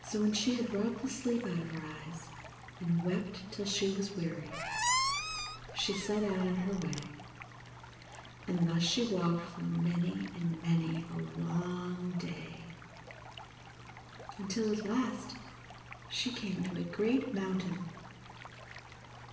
So when she had rubbed the sleep out of her eyes, and wept till she was weary, she set out on her way, and thus she walked for many and many a long day, until at last she came to a great mountain.